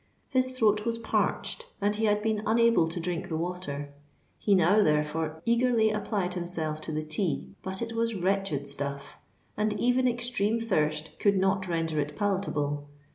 His throat was parched, and he had been unable to drink the water: he now, therefore, eagerly applied himself to the tea. But it was wretched stuff; and even extreme thirst could not render it palatable.